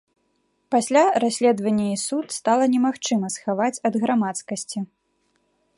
Пасля расследаванне і суд стала немагчыма схаваць ад грамадскасці.